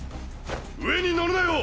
上に乗るなよ。